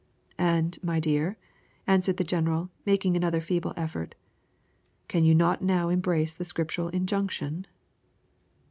"And, my dear," answered the general, making another feeble effort, "can you not now embrace the scriptural injunction?"